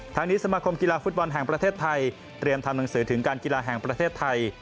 ทางนี้สมาคมกีฬาฟุตบอลแห่งประเทศไทยเตรียมทำหนังสือถึงการกีฬาแห่งประเทศไทย